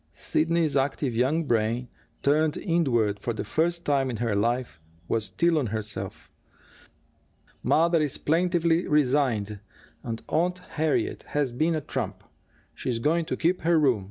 Sidney's active young brain, turned inward for the first time in her life, was still on herself. "Mother is plaintively resigned and Aunt Harriet has been a trump. She's going to keep her room.